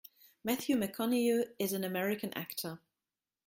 Matthew McConaughey is an American actor.